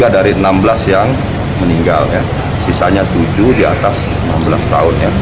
tiga dari enam belas yang meninggal sisanya tujuh di atas enam belas tahun ya